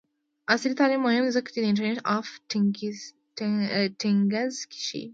عصري تعلیم مهم دی ځکه چې د انټرنټ آف تینګز ښيي.